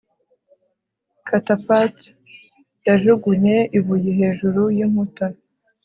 catapult yajugunye ibuye hejuru yinkuta